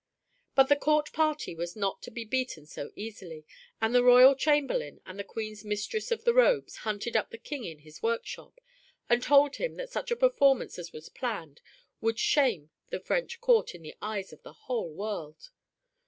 But the court party was not to be beaten so easily, and the Royal Chamberlain and the Queen's Mistress of the Robes hunted up the King in his workshop and told him that such a performance as was planned would shame the French court in the eyes of the whole world.